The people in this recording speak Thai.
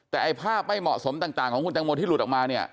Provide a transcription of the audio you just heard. แต่ไอ้ภาพไม่เหมาะสมต่างของคุณตังโมที่หลุดออกมาเนี่ย